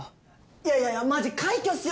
いやいやマジ快挙っすよ